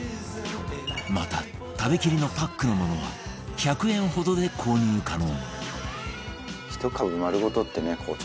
また食べきりのパックのものは１００円ほどで購入可能